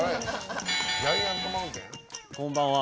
こんばんは。